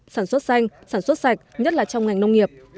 sản xuất xanh sản xuất sạch nhất là trong ngành nông nghiệp